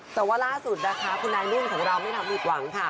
แต่ว่าล่าสุดนะคะคุณนายนุ่นของเราไม่ทำผิดหวังค่ะ